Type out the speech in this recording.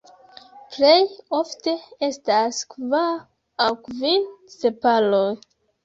Plej ofte estas kvar aŭ kvin sepaloj.